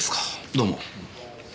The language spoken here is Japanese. どうも。